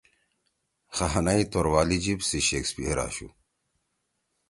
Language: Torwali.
خانئی توروالی جِب سی شیکسپیئر اَشُو